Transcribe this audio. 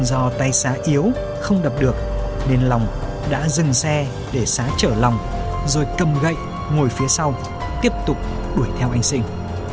do tay xá yếu không đập được nên long đã dừng xe để xá trở lòng rồi cầm gậy ngồi phía sau tiếp tục đuổi theo anh sinh